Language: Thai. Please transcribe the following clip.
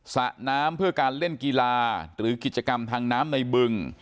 สระน้ำเพื่อการเล่นกีฬาหรือกิจกรรมทางน้ำในบึง